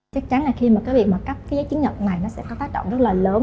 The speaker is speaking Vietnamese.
chắc chắn là khi cấp giấy chứng nhận này sẽ có tác động rất lớn